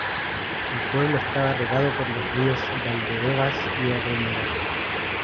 El pueblo estaba regado por los ríos Valdebebas y Abroñigal.